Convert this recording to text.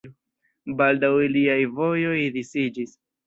Baldaŭ iliaj vojoj disiĝis.